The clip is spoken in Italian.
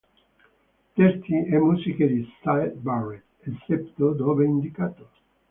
Testi e musiche di Syd Barrett, eccetto dove indicato.